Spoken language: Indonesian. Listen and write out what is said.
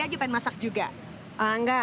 aja pengen masak juga